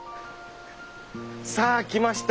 さあきました。